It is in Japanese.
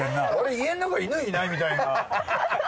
家ん中犬いない？みたいな。